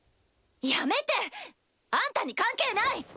やめて！あんたに関係ない！